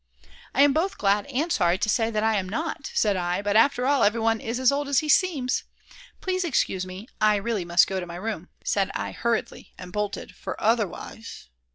"I am both glad and sorry to say that I am not, said I, but after all everyone is as old as he seems. Please excuse me, I really must go to my room," said I hurriedly, and bolted, for otherwise